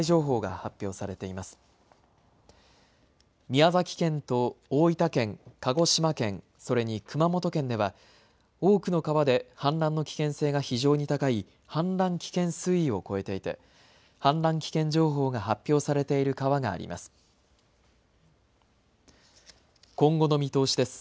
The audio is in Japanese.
宮崎県と大分県、鹿児島県、それに熊本県では多くの川で氾濫の危険性が非常に高い氾濫危険水位を超えていて氾濫危険情報が発表されている川があります。